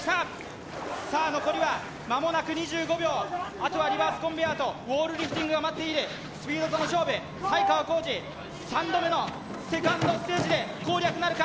あとはリバースコンベアーとウォールリフティングが待っているスピードとの勝負才川コージ３度目のセカンドステージで攻略なるか？